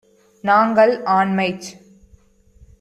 நாங்கள், ஆண்மைச்